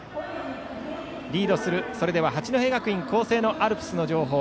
リードする八戸学院光星のアルプスの情報